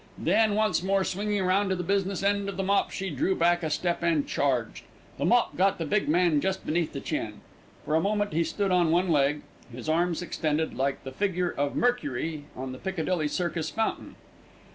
Then, once more swinging round to the business end of the mop, she drew back a step and charged. The mop got the big man just beneath the chin. For a moment he stood on one leg, his arms extended, like the figure of Mercury on the Piccadilly Circus fountain.